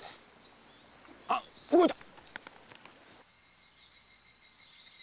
あっ動いた！